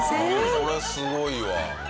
これすごいわ。